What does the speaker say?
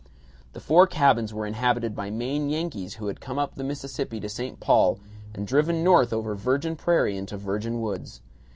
The four cabins were inhabited by Maine Yankees who had come up the Mississippi to St. Paul and driven north over virgin prairie into virgin woods.